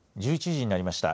１１時になりました。